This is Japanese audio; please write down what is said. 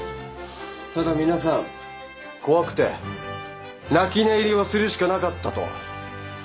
ただ皆さん怖くて泣き寝入りをするしかなかったと。